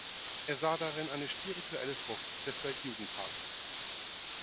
Er sah darin eine spirituelle Frucht des Weltjugendtags.